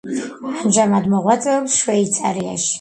ამჟამად მოღვაწეობს შვეიცარიაში.